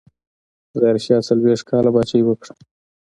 ظاهرشاه څلوېښت کاله پاچاهي وکړه.